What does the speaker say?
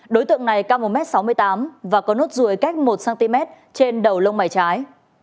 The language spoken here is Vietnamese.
đối tượng này cao một m sáu mươi tám và có nốt ruồi cách một cm trên đầu lông mảy trái